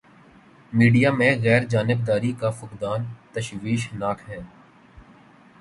Media میں غیر جانبداری کا فقدان تشویش ناک ہے۔